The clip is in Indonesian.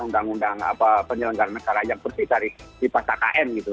undang undang penyelenggaraan negara yang bersih dari di pasal km gitu